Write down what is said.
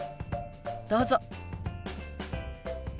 どうぞ。